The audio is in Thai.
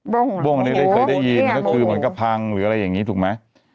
บ้งอันนี้ได้เคยได้ยินก็คือเหมือนกับพังหรืออะไรอย่างนี้ถูกไหม